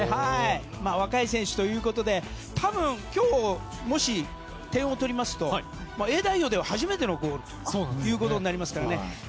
若い選手ということで多分、今日、もし点を取りますとＡ代表では初めてのこととなりますからね。